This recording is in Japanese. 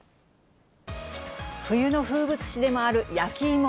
冬の風物詩でもあるやきいも。